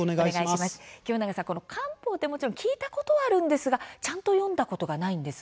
清永さん、官報ってもちろん聞いたことあるんですがちゃんと読んだことがないんです。